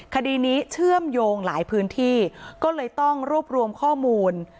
คดีนี้เชื่อมโยงหลายพื้นที่ก็เลยต้องรวบรวมข้อมูล